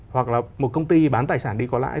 hoặc là một công ty bán tài sản đi có lại